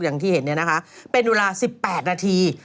อย่างที่เห็นเนี่ยนะคะเป็นเวลา๑๘นาที